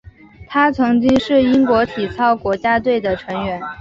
他曾经是英国体操国家队的成员。